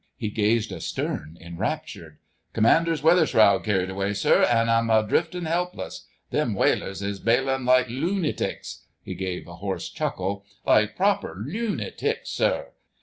He gazed astern enraptured. "Commander's weather shroud carried away, sir, an' 'im a drifting 'elpless.... Them whalers is bailin' like loo natics—" he gave a hoarse chuckle, "like proper loo natics, sir....